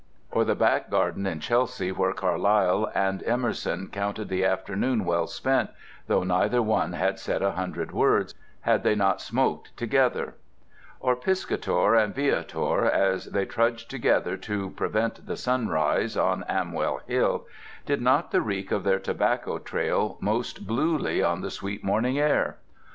Or the back garden in Chelsea where Carlyle and Emerson counted the afternoon well spent, though neither one had said a hundred words—had they not smoked together? Or Piscator and Viator, as they trudged together to "prevent the sunrise" on Amwell Hill—did not the reek of their tobacco trail most bluely on the sweet morning air?